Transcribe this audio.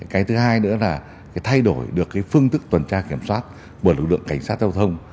cái thứ hai nữa là cái thay đổi được cái phương thức tuần tra kiểm soát của lực lượng cảnh sát giao thông